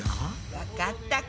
わかったか？